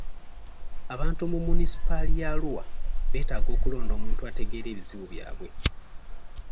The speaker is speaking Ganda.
Abantu mu munisipaali ya Arua beetaaga okulonda omuntu ategeera ebizibu byabwe.